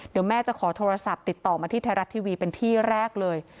เดี๋ยวแม่จะขอโทรศัพท์ติดต่อมาที่ไทยรัฐทีวีเป็นที่แรกเลย